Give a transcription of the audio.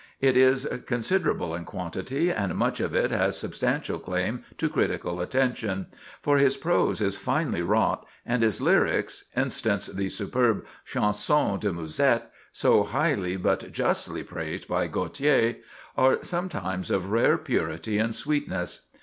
It is considerable in quantity, and much of it has substantial claim to critical attention; for his prose is finely wrought, and his lyrics—instance the superb "Chanson de Musette," so highly but justly praised by Gautier,—are sometimes of rare purity and sweetness.